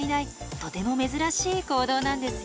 とても珍しい行動なんですよ。